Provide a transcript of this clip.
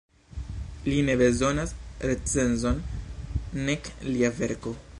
Li ne bezonas recenzon, nek lia verko.